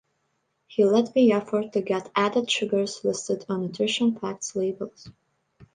He led the effort to get "Added sugars" listed on Nutrition Facts labels.